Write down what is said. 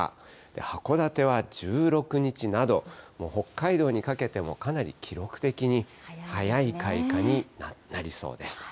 函館は１６日など、北海道にかけてもかなり記録的に早い開花になりそうです。